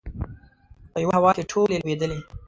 په یوه هوا کې ټولې لوبېدلې.